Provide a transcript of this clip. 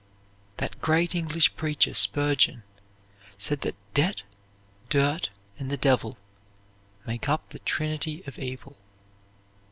That great English preacher Spurgeon said that debt, dirt, and the devil made up the trinity of evil.